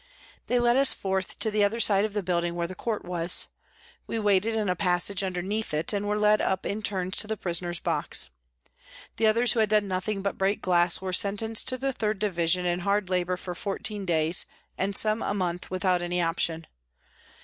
They led us forth to the other side of the building where the court was. We waited in a passage under neath it, and were led up in turns to the prisoner's NEWCASTLE PRISON 223 box. The others, who had done nothing but break glass, were sentenced to the 3rd Division and hard labour for fourteen days, and some a month, without any option.